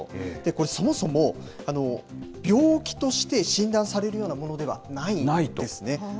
これそもそも、病気として診断されるようなものではないんですね。